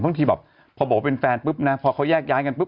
พอบอกว่าเป็นแฟนพอเขาแยกย้ายกัน